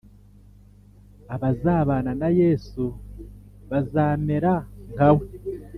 abazabana na yesu bazamera nka we